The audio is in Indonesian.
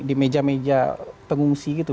di meja meja pengungsi gitu